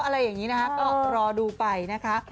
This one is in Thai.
อะไรอย่างนี้นะรอดูไปนะ